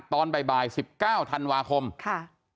ตอนบ่าย๑๙ธันวาคมค่ะ